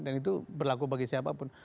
dan itu berlaku bagi siapapun